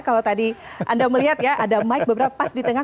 kalau tadi anda melihat ya ada mike beberapa pas di tengah